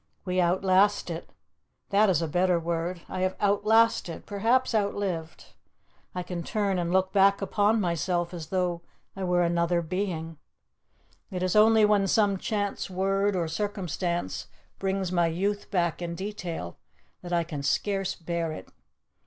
We outlast it that is a better word. I have outlasted, perhaps outlived. I can turn and look back upon myself as though I were another being. It is only when some chance word or circumstance brings my youth back in detail that I can scarce bear it.